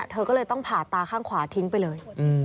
เธอก็เลยต้องผ่าตาข้างขวาทิ้งไปเลย